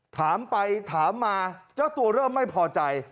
ถามไปถามมาเจ้าตัวเริ่มไม่พอใจ